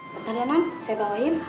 bentar ya man saya bawain